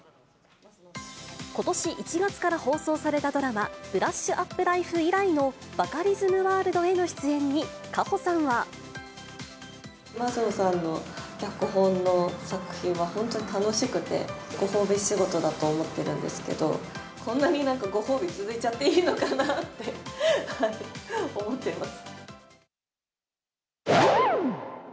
ことし１月から放送されたドラマ、ブラッシュアップライフ以来のバカリズムワールドへの出演に、升野さんの脚本の作品は本当に楽しくて、ご褒美仕事だと思ってるんですけど、こんなになんかご褒美続いちゃっていいのかなって思ってます。